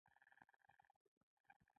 کنګل کېدل د مایع په جامد بدلیدل دي.